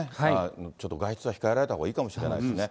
ちょっと外出は控えられたほうがいいかもしれないですね。